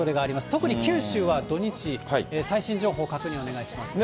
特に九州は土日、最新情報確認お願いします。